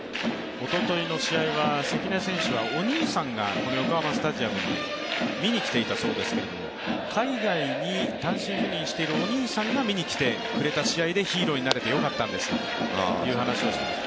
おとといの試合は関根はお兄さんが、横浜スタジアムに見に来ていたそうですけれども、海外に単身赴任しているお兄さんが見に来てくれた試合でヒーローになれてよかったんですという話をしていました。